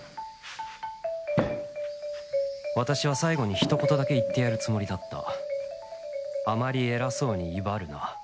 私は最後にひとことだけ言ってやるつもりだった「あまり偉そうに威張るな。